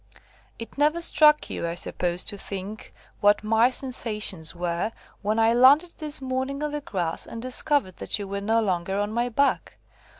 It never struck you, I suppose, to think what my sensations were, when I landed this morning on the grass, and discovered that you were no longer on my back.